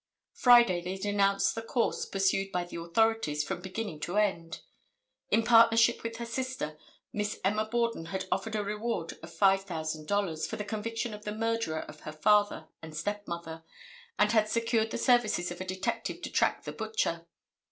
Friday they denounced the course pursued by the authorities from beginning to end. In partnership with her sister, Miss Emma Borden had offered a reward of $5000 for the conviction of the murderer of her father and stepmother, and had secured the services of a detective to track the butcher.